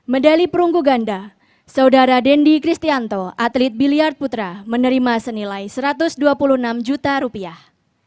medali perunggu ganda saudara dendi kristianto atlet biliar putra menerima senilai satu ratus dua puluh enam juta rupiah